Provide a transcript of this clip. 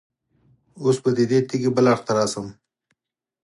اوس به د دې تیږې بل اړخ ته راشم.